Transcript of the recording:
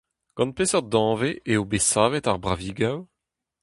Gant peseurt danvez eo bet savet ar bravigoù ?